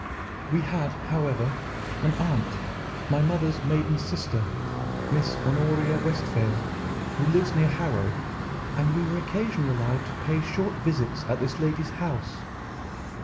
We had, however, an aunt, my mother's maiden sister, Miss Honoria Westphail, who lives near Harrow, and we were occasionally allowed to pay short visits at this lady's house.